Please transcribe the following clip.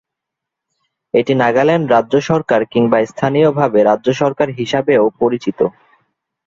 এটি নাগাল্যান্ড রাজ্য সরকার কিংবা স্থানীয়ভাবে রাজ্য সরকার হিসাবেও পরিচিত।